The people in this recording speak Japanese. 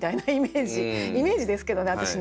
イメージですけどね私の。